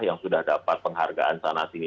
yang sudah dapat penghargaan sana sini